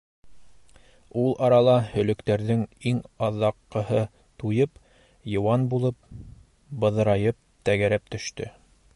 Ул арала һөлөктәрҙең иң аҙаҡҡыһы туйып, йыуан булып, быҙырайып тәгәрәп төштө.